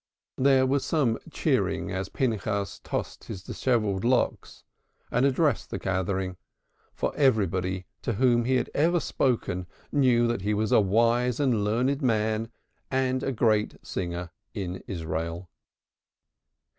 There was some cheering as Pinchas tossed his dishevelled locks and addressed the gathering, for everybody to whom he had ever spoken knew that he was a wise and learned man and a great singer in Israel.